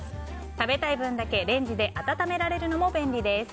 食べたい分だけレンジで温められるのも便利です。